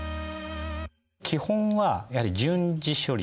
基本はやはり順次処理。